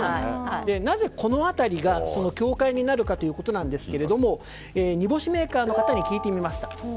なぜこの辺りがその境界になるかということなんですが煮干しメーカーの方に聞いてみました。